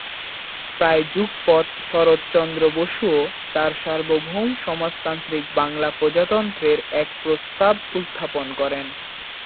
প্রায় যুগপৎ শরৎচন্দ্র বসুও তাঁর সার্বভৌম সমাজতান্ত্রিক বাংলা প্রজাতন্ত্রের এক প্রস্তাব উত্থাপন করেন।